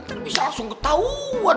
ntar bisa langsung ketahuan